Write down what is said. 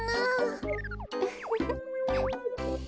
ウッフフ。